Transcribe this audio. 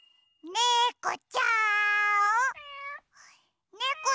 ねこちゃん！